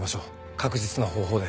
確実な方法で。